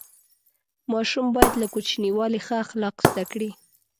ماشوم باید له کوچنیوالي ښه اخلاق زده کړي.